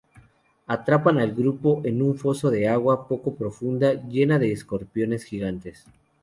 Atrapan al grupo en un foso de agua poco profunda llena de escorpiones gigantes.